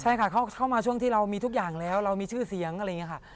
ใช่ค่ะเข้ามาช่วงที่เรามีทุกอย่างแล้วเรามีชื่อเสียงอะไรอย่างนี้ค่ะ